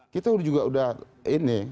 kita juga udah ini